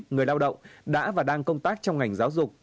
người lao động đã và đang công tác trong ngành giáo dục